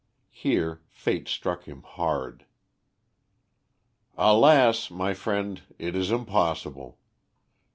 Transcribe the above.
Here fate struck him hard. "Alas! my friend, it is impossible.